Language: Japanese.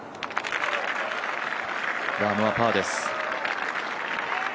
ラームはパーです。